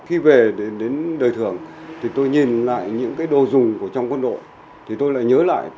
khi về đến đời thường thì tôi nhìn lại những cái đồ dùng trong quân đội thì tôi lại nhớ lại